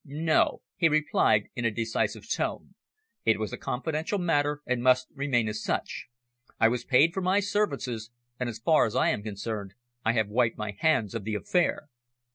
"No," he replied in a decisive tone, "it was a confidential matter and must remain as such. I was paid for my services, and as far as I am concerned, I have wiped my hands of the affair."